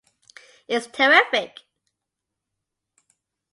It’s terrific.